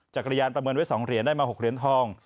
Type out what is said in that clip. จักรยานประเมินไว้๒เหรียญได้มา๖เหรียญทอง